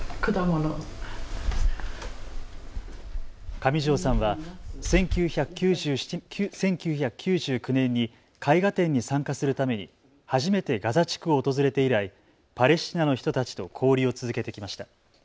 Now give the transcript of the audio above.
上條さんは１９９９年に絵画展に参加するために初めてガザ地区を訪れて以来、パレスチナの人たちと交流を続けてきました。